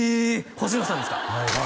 星野さんですか？